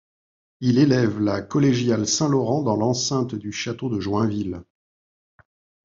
Il élève la collégiale Saint Laurent dans l'enceinte du château de Joinville.